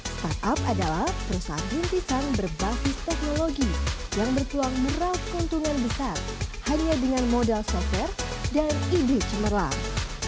startup adalah perusahaan rintisan berbasis teknologi yang berpeluang meraup keuntungan besar hanya dengan modal software dan ide cemerlang